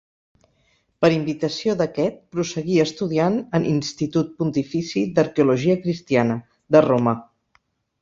Per invitació d'aquest, prosseguí estudiant en Institut Pontifici d'Arqueologia Cristiana, de Roma.